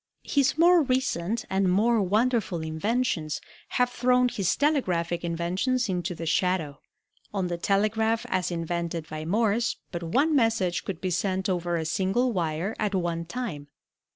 His more recent and more wonderful inventions have thrown his telegraphic inventions into the shadow. On the telegraph as invented by Morse but one message could be sent over a single wire at one time.